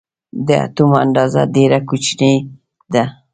د اتوم اندازه ډېره کوچنۍ ده.